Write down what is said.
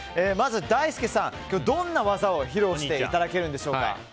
まず、Ｄａｉｓｕｋｅさん今日はどんな技を披露していただけるんでしょうか？